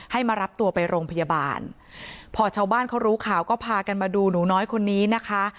มารับตัวไปโรงพยาบาลพอชาวบ้านเขารู้ข่าวก็พากันมาดูหนูน้อยคนนี้นะคะ